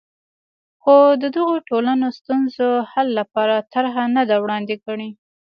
خو د دغو ټولنو ستونزو حل لپاره طرحه نه ده وړاندې کړې.